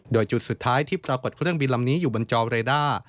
โดยจุดสุดท้ายที่ปรากฏเครื่องบินลำนี้อยู่บนจอเรด้า